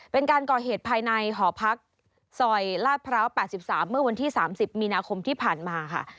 เป็นการก่อเหตุภายในหอพักซอยลาดพร้าว๘๓เมื่อวันที่๓๐มีนาคมที่ผ่านมาค่ะ